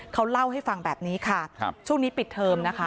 เขาเล่าให้ฟังแบบนี้ค่ะครับช่วงนี้ปิดเทอมนะคะ